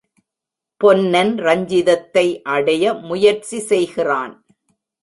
பொன்னன் ரஞ்சிதத்தை அடைய முயற்சி செய்கிறான்.